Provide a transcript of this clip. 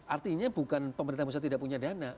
artinya bukan pemerintah pusat tidak punya dana